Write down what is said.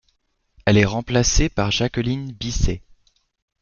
Elle est remplacée par Jacqueline Bisset.